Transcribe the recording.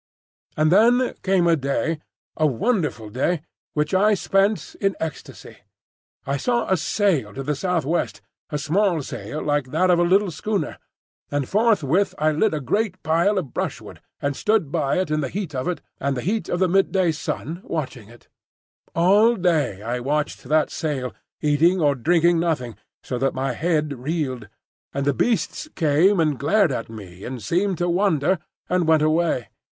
And then came a day, a wonderful day, which I spent in ecstasy. I saw a sail to the southwest, a small sail like that of a little schooner; and forthwith I lit a great pile of brushwood, and stood by it in the heat of it, and the heat of the midday sun, watching. All day I watched that sail, eating or drinking nothing, so that my head reeled; and the Beasts came and glared at me, and seemed to wonder, and went away.